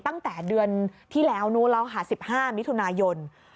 ตั้งแต่เดือนที่แล้วนู้นแล้วค่ะ๑๕มิถุนายน